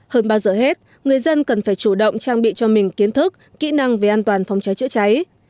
hơn bao giờ hết người dân cần phải chủ động trang bị cho mình kiến thức kỹ năng về an toàn phòng cháy chữa cháy